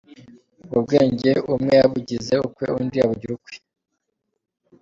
Ubwo bwenge umwe yabugize ukwe undi abugira ukwe.